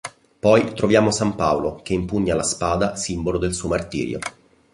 Poi troviamo san Paolo che impugna la spada simbolo del suo martirio.